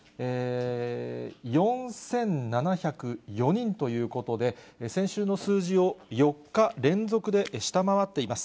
４７０４人ということで、先週の数字を４日連続で下回っています。